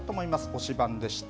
推しバン！でした。